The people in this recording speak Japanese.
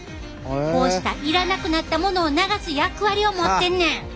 こうしたいらなくなったものを流す役割を持ってんねん。